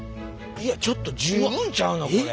いやちょっと十分ちゃうのこれ。